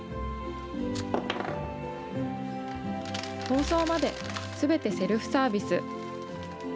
包装まですべてセルフサービス。